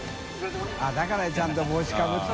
世ちゃんと帽子かぶって。